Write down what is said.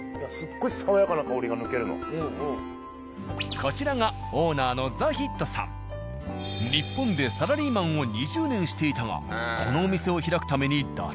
こちらが日本でサラリ―マンを２０年していたがこのお店を開くために。